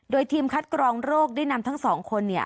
โดยทีมคัดกรองโรคได้นำทั้งสองคน